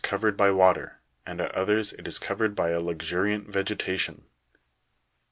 covered by water, and at others it is covered by a luxuriant vege tation. 44.